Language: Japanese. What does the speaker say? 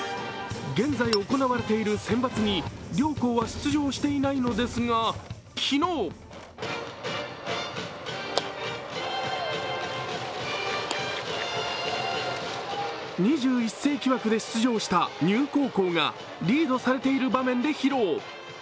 現在行われているセンバツに両校は出場していないのですが昨日２１世紀枠で出場した丹生高校がリードされている場面で披露。